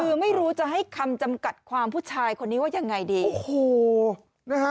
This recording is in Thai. คือไม่รู้จะให้คำจำกัดความผู้ชายคนนี้ว่ายังไงดีโอ้โหนะฮะ